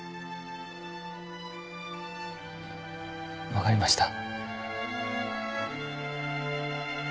分かりました。